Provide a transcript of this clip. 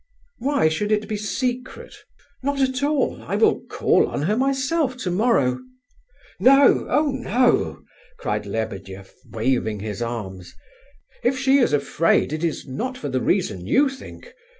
"Why should it be secret? Not at all; I will call on her myself tomorrow." "No, oh no!" cried Lebedeff, waving his arms; "if she is afraid, it is not for the reason you think.